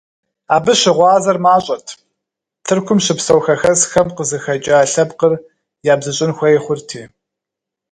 Абы щыгъуазэр мащӀэт, Тыркум щыпсэу хэхэсхэм къызыхэкӀа лъэпкъыр ябзыщӀын хуей хъурти.